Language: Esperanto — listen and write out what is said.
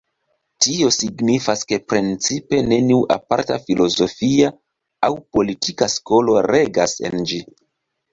Tio signifas, ke principe neniu aparta filozofia aŭ politika skolo regas en ĝi.